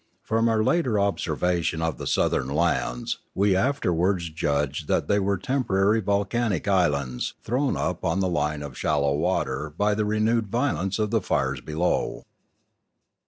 From our later observation of the southern lands, we afterwards judged that they were temporary volcanic islands thrown up on the line of shallow water by the renewed violence of the fires below.